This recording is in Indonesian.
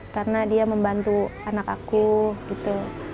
karena dia membantu anak aku gitu